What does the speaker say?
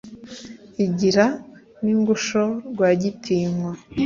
igira n’ingusho rwagitinywa